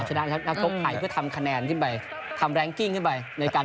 คนรู้สึกเปล่ามันแบบนะว่า